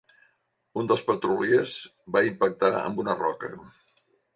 Un dels petroliers va impactar amb una roca